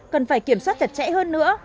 cần phải kiểm soát chặt chẽ hơn nữa